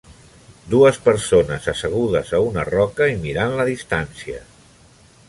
Dues persones assegudes a una roca i mirant la distància.